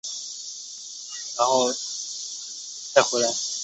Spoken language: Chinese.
挚峻的第十二代孙。